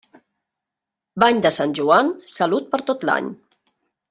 Bany de Sant Joan, salut per tot l'any.